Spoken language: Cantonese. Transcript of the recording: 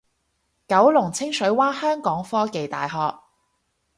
九龍清水灣香港科技大學